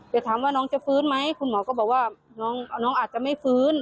แต่ถามว่าน้องจะฟื้นไหมคุณหมอก็บอกว่าน้องอาจจะไม่ฟื้น